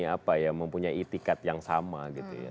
apa ya mempunyai itikat yang sama gitu ya